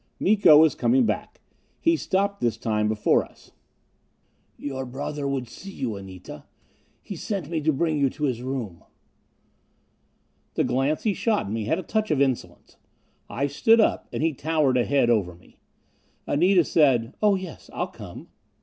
Miko was coming back. He stopped this time before us. "Your brother would see you, Anita. He sent me to bring you to his room." The glance he shot me had a touch of insolence. I stood up, and he towered a head over me. Anita said, "Oh yes. I'll come."